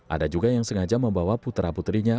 ada juga yang sengaja membawa putera puterinya